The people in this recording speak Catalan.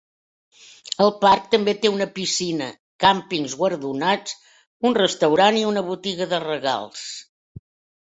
El parc també té una piscina, càmpings guardonats, un restaurants i una botiga de regals.